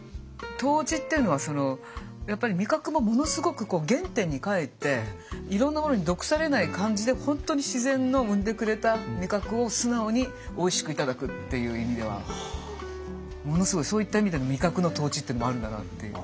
湯治っていうのはやっぱり味覚もものすごく原点に返っていろんなものに毒されない感じで本当に自然の生んでくれた味覚を素直においしく頂くっていう意味ではものすごいそういった意味での味覚の湯治っていうのもあるんだなって。